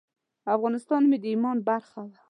افغانستان مې د ایمان برخه وه.